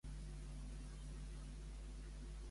Per tant, quina relació tenien Aquil·les i el fill de Meneci?